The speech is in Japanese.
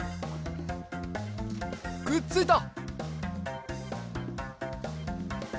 くっついた！